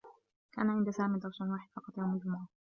كان عند سامي درس واحد فقط يوم الجمعة.